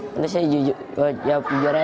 terus saya jawab jujurnya